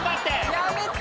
やめて！